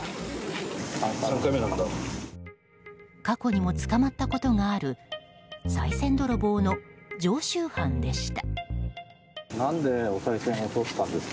過去にも捕まったことがあるさい銭泥棒の常習犯でした。